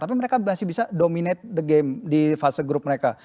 tapi mereka masih bisa dominate the game di fase grup mereka